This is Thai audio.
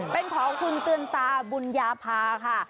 เป็นของคุณเตือนตาบุญญาภาค่ะ